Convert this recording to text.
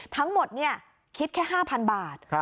ทั้งหมดคิดแค่๕๐๐๐บาท